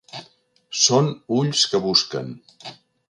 Són ulls que busquen.